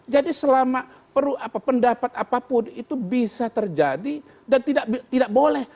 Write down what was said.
jadi selama perlu pendapat apapun itu bisa terjadi dan tidak boleh